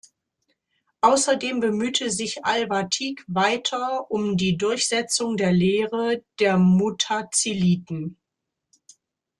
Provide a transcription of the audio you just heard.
Außerdem bemühte sich al-Wāthiq weiter um die Durchsetzung der Lehre der Mutaziliten.